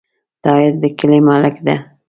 طاهر د کلې ملک ده